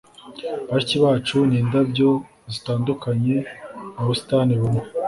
bashiki bacu ni indabyo zitandukanye mu busitani bumwe